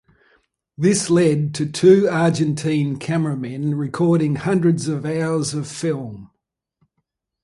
This led to two Argentine cameramen recording hundreds of hours of film.